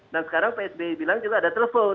dan sekarang psbi bilang juga ada telpon